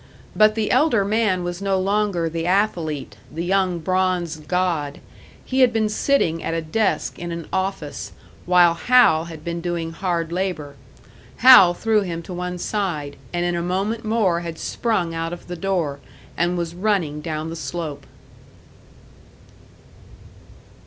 But the elder man was no longer the athlete, the young bronzed god; he had been sitting at a desk in an office, while Hal had been doing hard labour. Hal threw him to one side, and in a moment more had sprung out of the door, and was running down the slope.